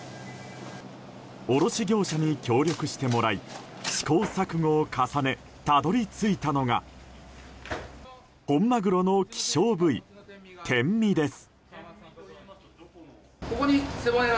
卸業者に協力してもらい試行錯誤を重ねたどり着いたのが本マグロの希少部位天身です。